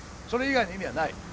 それ以外の意味はない。